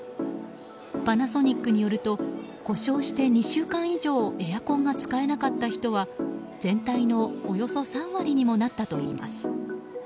パナソニックによると故障して２週間以上エアコンが使えなかった人は全体のおよそ３割にもなったといいます。